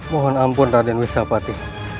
mohon ampun raden wisapati